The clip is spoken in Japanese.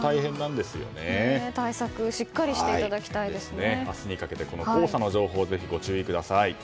対策をしっかりして明日にかけて黄砂の情報にぜひ、ご注意ください。